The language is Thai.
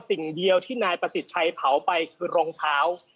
สิ่งเดียวที่นายประสิทธิ์ชัยเผาไปคือรองเท้า